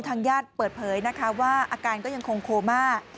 ทางญาติเปิดเผยนะคะว่าอาการก็ยังคงโคม่า